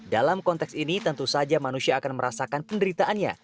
dalam konteks ini tentu saja manusia akan merasakan penderitaannya